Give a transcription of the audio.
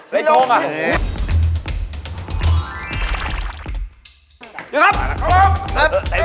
ไม่ใช่